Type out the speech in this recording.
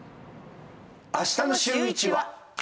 あしたのシューイチは。